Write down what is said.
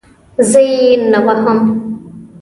زه یې نه وهم.